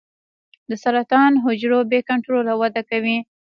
د سرطان حجرو بې کنټروله وده کوي.